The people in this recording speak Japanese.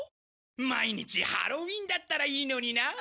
毎日ハロウィンだったらいいのにな。